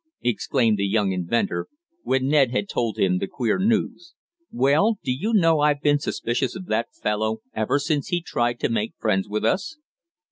exclaimed the young inventor, when Ned had told him the queer news. "Well, do you know I've been suspicious of that fellow ever since he tried to make friends with us."